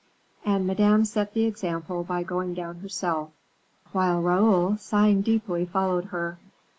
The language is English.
And Madame set the example by going down herself, while Raoul, sighing deeply, followed her.